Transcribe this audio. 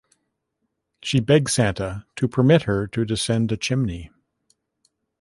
She begs Santa to permit her to descend a chimney.